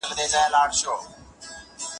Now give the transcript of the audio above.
نه مو د غنمو دانې